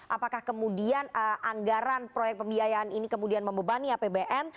apakah kemudian anggaran proyek pembiayaan ini kemudian membebani apbn